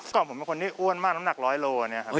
กล่องผมเป็นคนที่อ้วนมากน้ำหนักร้อยโลอันนี้ครับ